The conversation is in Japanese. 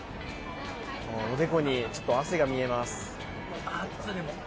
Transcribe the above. おでこにちょっと汗が見えます。